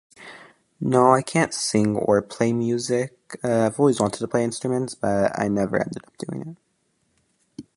No, I can't sing or play music. Uh, I've always wanted to play instruments, but I never ended up doing it.